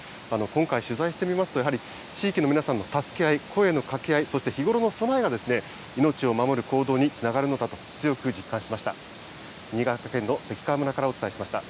今回、取材してみますと、やはり地域の皆さんの助け合い、声のかけ合い、そして日頃の備えが命を守る行動につながるのかと、強く実感しました。